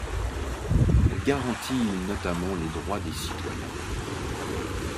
Elle garantie notamment les droits des citoyens.